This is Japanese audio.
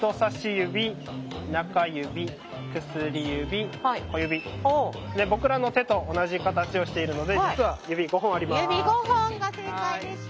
実は僕らの手と同じ形をしているので実は指５本あります。